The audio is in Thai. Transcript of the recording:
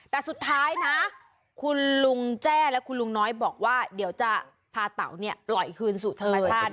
แต่สุดท้ายนะคุณลุงแจ้และคุณลุงน้อยบอกว่าเดี๋ยวจะพาเต๋าเนี่ยปล่อยคืนสู่ธรรมชาติ